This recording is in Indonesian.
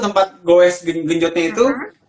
tempat goes genjotnya itu